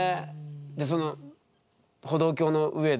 でその歩道橋の上で？